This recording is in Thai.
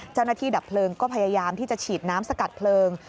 ดับเพลิงก็พยายามที่จะฉีดน้ำสกัดเพลิง